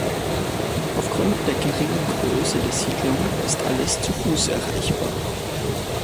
Aufgrund der geringen Größe der Siedlung ist alles zu Fuß erreichbar.